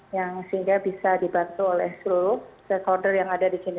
yang sehingga bisa dibantu oleh seluruh stakeholder yang ada di sini